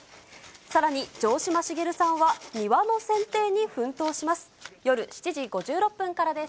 さらに、城島茂さんは庭のせんていに奮闘します。